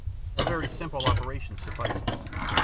A very simple operation suffices.